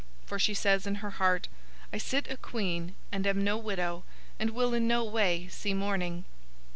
For she says in her heart, 'I sit a queen, and am no widow, and will in no way see mourning.'